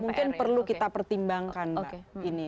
mungkin perlu kita pertimbangkan